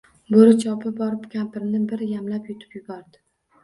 Boʻri chopib borib, kampirni bir yamlab yutib yuboribdi